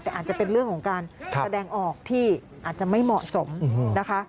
แต่อาจจะเป็นเรื่องของการแสดงออกที่อาจจะไม่เหมาะสมนะคะ